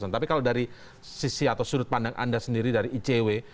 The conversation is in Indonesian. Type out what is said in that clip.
tapi kalau dari sisi atau sudut pandang anda sendiri dari icw